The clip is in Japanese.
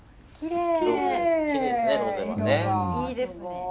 いいですね。